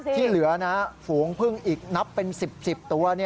ที่เหลือนะฝูงพึ่งอีกนับเป็น๑๐๑๐ตัว